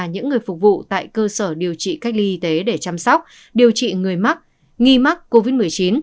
những người phục vụ tại cơ sở điều trị cách ly y tế để chăm sóc điều trị người mắc nghi mắc covid một mươi chín